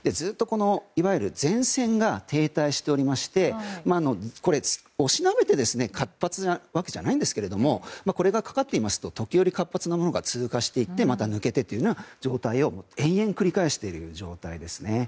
前線が停滞していておしなべて活発なわけじゃないんですけどこれがかかっていますと時折、活発なものが通過してまた抜けてという状態を延々繰り返している状態です。